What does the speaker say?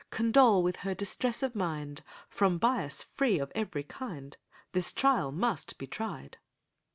Condole with her distress of mind— From bias free of every kind, This trial must be tried!